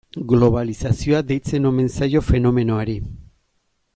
Globalizazioa deitzen omen zaio fenomenoari.